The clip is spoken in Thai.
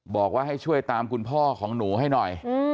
บอกว่าให้ช่วยตามคุณพ่อของหนูให้หน่อย